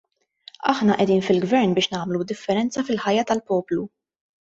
Aħna qegħdin fil-gvern biex nagħmlu differenza fil-ħajja tal-poplu.